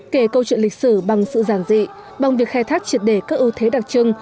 kể câu chuyện lịch sử bằng sự giản dị bằng việc khai thác triệt để các ưu thế đặc trưng